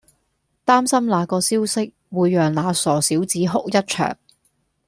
擔心那個消息會讓那傻小子哭一場